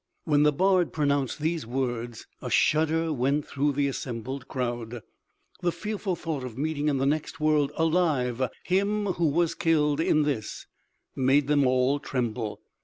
_" When the bard pronounced these words, a shudder went through the assembled crowd. The fearful thought of meeting in the next world alive him who was killed in this made them all tremble.